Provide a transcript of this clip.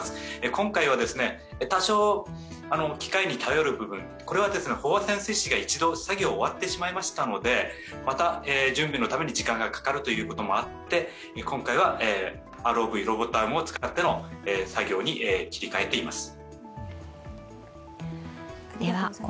今回は、多少機械に頼る部分、これは飽和潜水士が一度作業を終わってしまいましたので、また準備のために時間がかかるということもあって今回はロボットアームを使って作業に切り替えています。